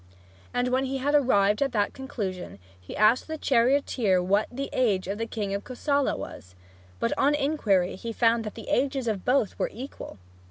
And when he had arrived at that conclusion, he asked that charioteer what the age of the king of Kosala was. But on inquiry he found that the ages of both were equal.